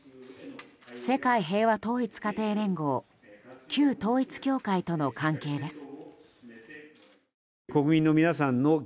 世界平和統一家庭連合旧統一教会との関係です。